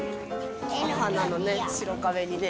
お花のね、白壁にね。